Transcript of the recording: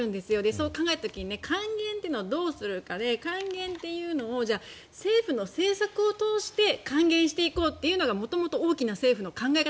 そうすると還元をどうするのかということで還元というのを政府の政策を通して還元していこうというのが元々大きな政府の考え方。